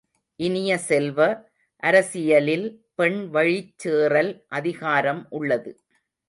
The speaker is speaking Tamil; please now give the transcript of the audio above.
இனிய செல்வ, அரசியலில் பெண் வழிச் சேறல் அதிகாரம் உள்ளது.